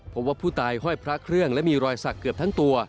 พบว่าผู้ตายห้อยพระเครื่องและมีรอยสักเกือบทั้งตัว